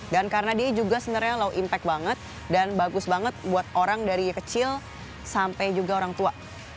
dan karena dia juga sebenarnya low impact banget dan bagus banget buat orang dari kecil sampai juga orang tua